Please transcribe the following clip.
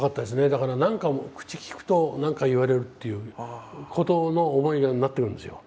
だから何か口きくと何か言われるっていうことの思いがなってくるんですよ。